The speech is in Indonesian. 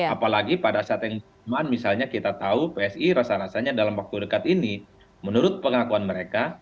apalagi pada saat yang sama misalnya kita tahu psi rasa rasanya dalam waktu dekat ini menurut pengakuan mereka